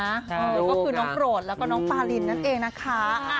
ก็คือน้องโปรดแล้วก็น้องปารินนั่นเองนะคะ